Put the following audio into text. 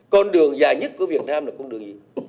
con đường dài nhất của việt nam là con đường gì